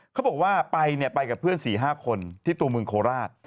เขาบอกว่าไปเนี่ยไปกับเพื่อน๔๕คนที่ตัวเมืองโคราช